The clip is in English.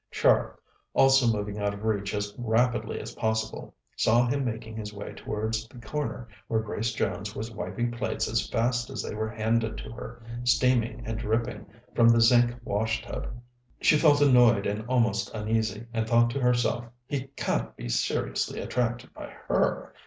Char, also moving out of reach as rapidly as possible, saw him making his way towards the corner where Grace Jones was wiping plates as fast as they were handed to her, steaming and dripping, from the zinc wash tub. She felt annoyed and almost uneasy, and thought to herself: "He can't be seriously attracted by her.